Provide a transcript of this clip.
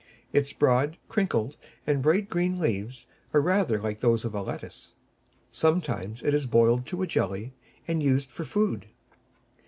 Its broad, crinkled and bright green leaves are rather like those of a lettuce. Sometimes it is boiled to a jelly and used for food.